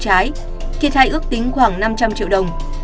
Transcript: trái thiệt hại ước tính khoảng năm trăm linh triệu đồng